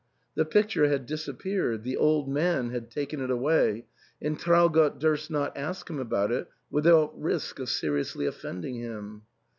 The picture had disappeared ; the old man had taken it away ; and Traugott durst not ask him about it without risk of seriously offending him.